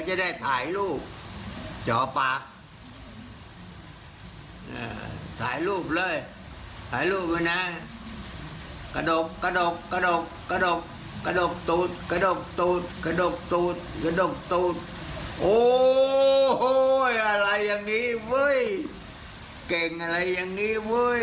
อะไรอย่างนี้เว้ยแย่มไว้